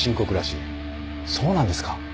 そうなんですか。